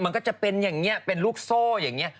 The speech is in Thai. มันก็จะเป็นอย่างนี้เป็นลูกโซ่อย่างนี้